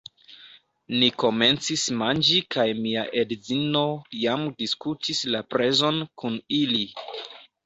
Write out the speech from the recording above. Ni komencis manĝi kaj mia edzino jam diskutis la prezon kun ili